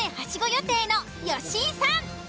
予定の吉井さん。